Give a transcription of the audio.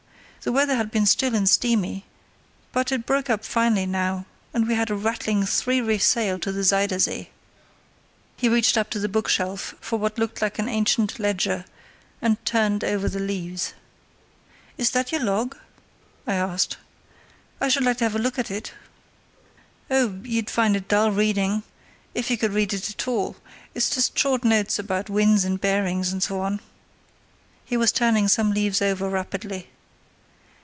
The weather had been still and steamy; but it broke up finely now, and we had a rattling three reef sail to the Zuyder Zee." He reached up to the bookshelf for what looked like an ancient ledger, and turned over the leaves. "Is that your log?" I asked. "I should like to have a look at it." "Oh! you'd find it dull reading—if you could read it at all; it's just short notes about winds and bearings, and so on." He was turning some leaves over rapidly.